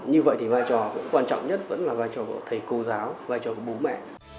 như vậy thì vai trò cũng quan trọng nhất vẫn là vai trò của thầy cô giáo vai trò của bố mẹ